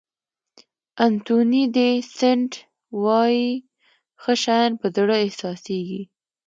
انتوني دي سېنټ وایي ښه شیان په زړه احساسېږي.